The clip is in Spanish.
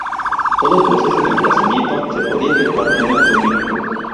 Todo el proceso de emplazamiento se podía efectuar en menos de un minuto.